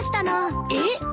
えっ！？